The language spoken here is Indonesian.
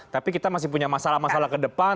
tapi kita masih punya masalah masalah ke depan